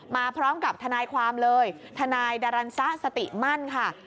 มาพร้อมกับทนายความเลยทนายดารันซะสติมั่นค่ะ